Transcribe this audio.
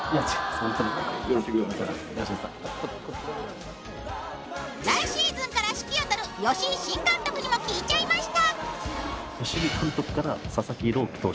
ホントに来シーズンから指揮を執る吉井新監督にも聞いちゃいました